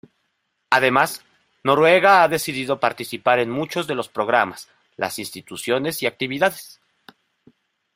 Además, Noruega ha decidido participar en muchos de los programas, las instituciones y actividades.